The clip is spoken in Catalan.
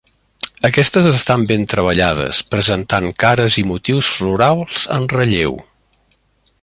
Aquestes estan ben treballades, presentant cares i motius florals en relleu.